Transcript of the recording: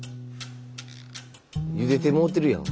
ゆでてもうてるやん。